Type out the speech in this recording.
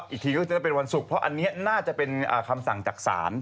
อีกทีก็จะได้เป็นวันศุกร์เพราะอันนี้น่าจะเป็นคำสั่งจากศาล